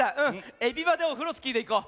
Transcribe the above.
「エビバデオフロスキー」でいこう。